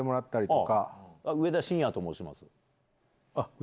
上田晋也と申します。